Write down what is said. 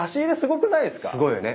「すごいよね。